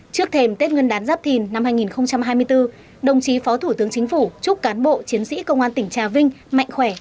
trước thềm tết ngân đán giáp thìn năm hai nghìn hai mươi bốn đồng chí phó thủ tướng chính phủ chúc cán bộ chiến sĩ công an tỉnh trà vinh mạnh khỏe